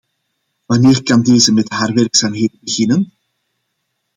Wanneer kan deze met haar werkzaamheden beginnen?